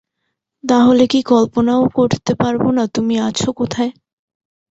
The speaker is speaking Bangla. তাহলে কি কল্পনাও করতে পারব না তুমি আছ কোথায়?